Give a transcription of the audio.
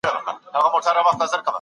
کار د ډلې له خوا ترسره کيږي.